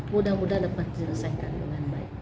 mudah mudahan dapat diselesaikan dengan baik